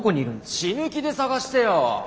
死ぬ気で探してよ。